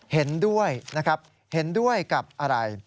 เห็นด้วยนะครับเห็นด้วยกับอะไร